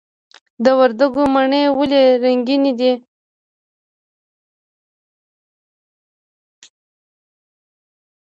د وردګو مڼې ولې رنګینې دي؟